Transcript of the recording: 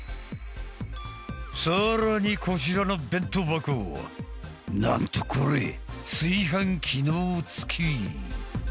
さらにこちらの弁当箱はなんとこれ炊飯機能付き。